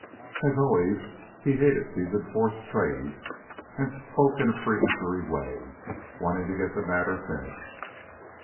As always, he hated these enforced trades and spoke in a peremptory way, wanting to get the matter finished.